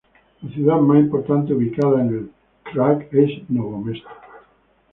La ciudad más importante ubicada en el Krka es Novo mesto.